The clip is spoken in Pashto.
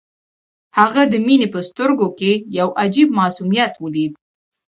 هغه د مينې په سترګو کې يو عجيب معصوميت وليد.